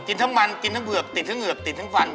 ทั้งมันกินทั้งเผือกติดทั้งเหงือกติดทั้งฟัน